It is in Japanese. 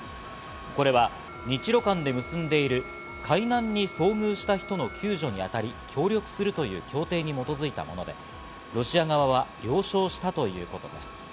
これは日露間で結んでいる海難に遭遇した人の救助に当たり、協力するという協定に基づいたもので、ロシア側は了承したということです。